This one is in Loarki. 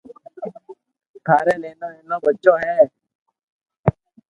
ٿاري نينو نينو ٻچو ھي